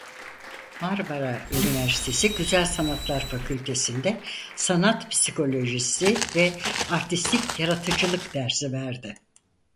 Marmara Üniversitesi Güzel Sanatlar Fakültesi'nde Sanat Psikolojisi ve Artistik Yaratıcılık dersi verdi.